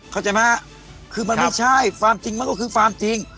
เข้าใจไหมคือมันไม่ใช่ความจริงมันก็คือความจริง